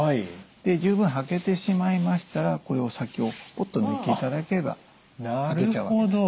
で十分履けてしまいましたらこれを先をポッと抜いていただければ履けちゃうわけです。